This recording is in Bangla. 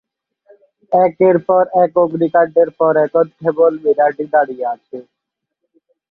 একের পর এক অগ্নিকাণ্ডের পর এখন কেবল মিনারটি দাঁড়িয়ে আছে।